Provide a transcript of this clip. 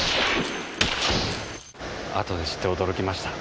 あとで知って驚きました。